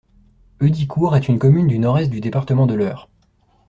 Heudicourt est une commune du Nord-Est du département de l'Eure.